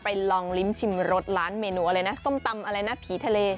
ลองลิ้มชิมรสร้านเมนูอะไรนะส้มตำอะไรนะผีทะเล